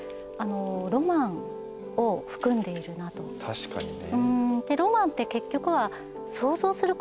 確かにね。